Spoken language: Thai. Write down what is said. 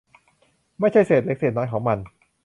ไม่ใช่เศษเล็กเศษน้อยของมัน